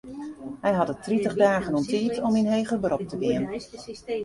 Hy hat it tritich dagen oan tiid om yn heger berop te gean.